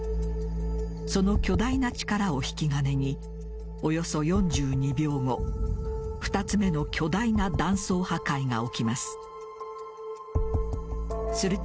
その巨大な力を引き金におよそ４２秒後２つ目の巨大な断層破壊が起きます。